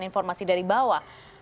informasi dari bawah